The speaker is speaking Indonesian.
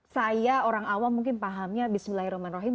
saya orang awam mungkin pahamnya bismillahirrahmanirrahim